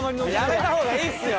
やめた方がいいですよ！